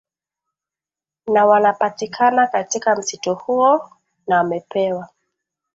na wanapatikana katika msitu huo na wamepewa